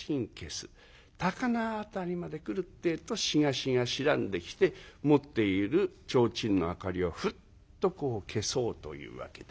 高輪辺りまで来るってえと東が白んできて持っている提灯の明かりをフッとこう消そうというわけで。